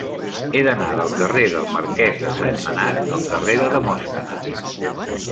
He d'anar del carrer del Marquès de Sentmenat al carrer de Demòstenes.